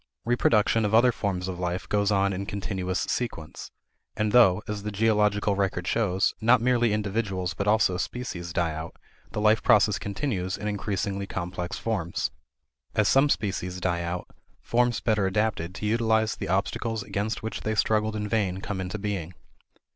Reproduction of other forms of life goes on in continuous sequence. And though, as the geological record shows, not merely individuals but also species die out, the life process continues in increasingly complex forms. As some species die out, forms better adapted to utilize the obstacles against which they struggled in vain come into being.